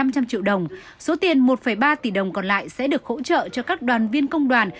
năm trăm linh triệu đồng số tiền một ba tỷ đồng còn lại sẽ được hỗ trợ cho các đoàn viên công đoàn